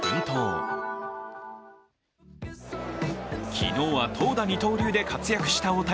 昨日は投打二刀流で活躍した大谷。